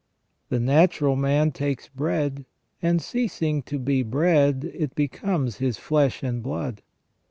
The natural man takes bread, and, ceasing to be bread, it becomes his flesh and blood.